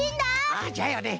ああじゃよね。